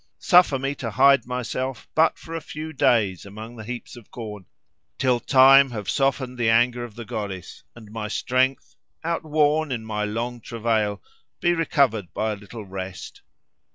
Suffer me to hide myself but for a few days among the heaps of corn, till time have softened the anger of the goddess, and my strength, out worn in my long travail, be recovered by a little rest."